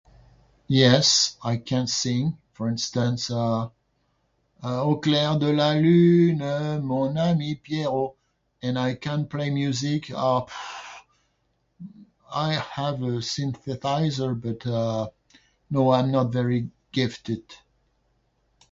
"Yes, I can sing. For instance, uh, ""Au clair de la lune, mon ami Pierrot"". And I can play music. Uh, pfff, I have a synthesizer, but, uh, no, I'm not very gifted."